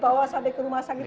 bawa sampai ke rumah sakit